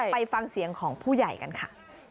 ไปฟังเสียงของผู้ใหญ่กันค่ะ